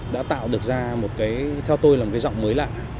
đã tạo được ra một cái theo tôi là một cái giọng mới lạ